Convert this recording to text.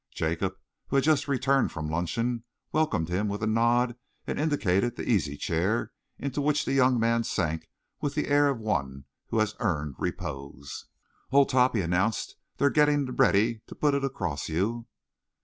Jacob, who had just returned from luncheon, welcomed him with a nod and indicated the easy chair, into which the young man sank with the air of one who has earned repose. "Old top," he announced, "they're getting ready to put it across you."